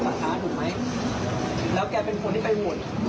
คุณอ่าสวเสรีย์เนี่ยแกก็เป็นคนสาธารณะถูกไหม